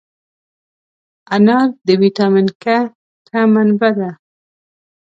انار د ویټامین K ښه منبع ده.